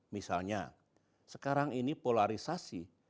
misalnya sekarang ini polarisasi